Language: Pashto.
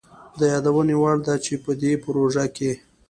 د يادوني وړ ده چي په دې پروژه کي